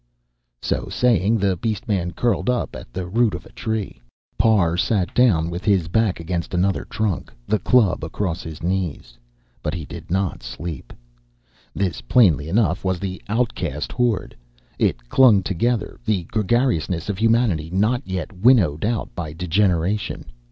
Uh!" So saying, the beast man curled up at the root of a tree. Parr sat down with his back against another trunk, the club across his knees, but he did not sleep. This, plainly enough, was the outcast horde. It clung together, the gregariousness of humanity not yet winnowed out by degeneration.